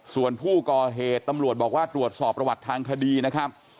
ส่วนผู้ก่อเหตุตำรวจบอกว่าตรวจสอบประวัติทางคดีนะครับ